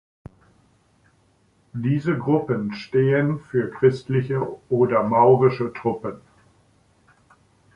Diese Gruppen stehen für christliche oder maurische Truppen.